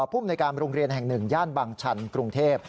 ผู้อำนวยการโรงเรียนแห่งหนึ่งญบชกรุงเทพฯ